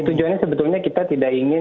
tujuannya sebetulnya kita tidak ingin